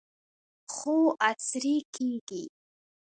خو عصري کیږي.